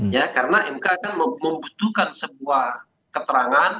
ya karena mk kan membutuhkan sebuah keterangan